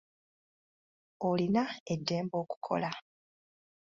Olina eddembe okukola.